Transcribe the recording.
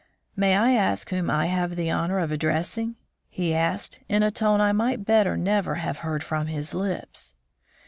"May I ask whom I have the honor of addressing?" he asked, in a tone I might better never have heard from his lips.